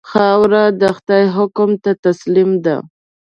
خاوره د خدای حکم ته تسلیم ده.